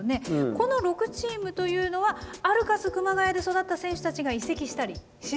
この６チームというのはアルカス熊谷で育った選手たちが移籍したり指導者になったり。